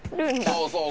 「そうそう。